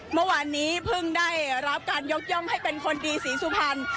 เมื่อวานนี้เพิ่งได้รับการยกย่องให้เป็นคนดีศรีสุพรรณ